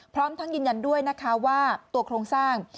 พร้อมทั้งยืนยันด้วยนะคะว่าตัวโครงสร้าง